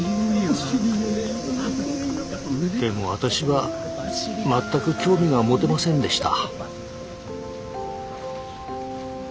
でも私は全く興味が持てませんでした。